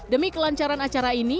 demi kelancaran acara ini